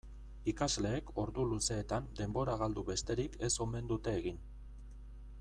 Ikasleek ordu luzeetan denbora galdu besterik ez omen dute egin.